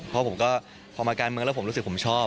เพราะผมก็พอมาการเมืองแล้วผมรู้สึกผมชอบ